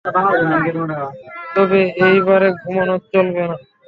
তবে, এই বারে ঘুমানো চলবে না।